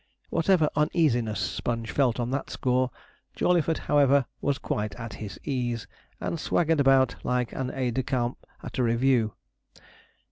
Whatever uneasiness Sponge felt on that score, Jawleyford, however, was quite at his ease, and swaggered about like an aide de camp at a review.